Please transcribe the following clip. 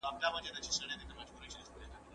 د فرهنګي توپیرونو نادیده مه نیسه.